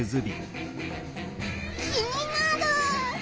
気になる。